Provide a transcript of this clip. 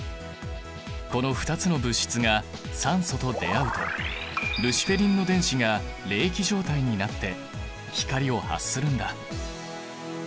この２つの物質が酸素と出会うとルシフェリンの電子が励起状態になって光を発するんだ。